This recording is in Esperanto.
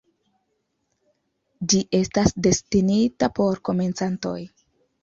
Ĝi estas destinita por komencantoj.